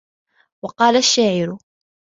وَقَالَ الشَّاعِر